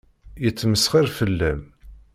Yettmesxiṛ fell-am.